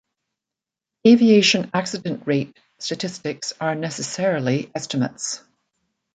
Aviation accident rate statistics are necessarily estimates.